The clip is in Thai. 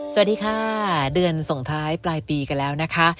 สวัสดีค่ะเดือนส่งท้ายปลายปีกันแล้วนะคะ